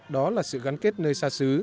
đó là sự gắn kết nơi xa xứ